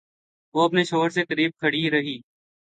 وہ اپنے شوہر سے قریب کھڑی رہی